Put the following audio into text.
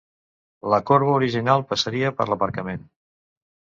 La corba original passaria per l'aparcament.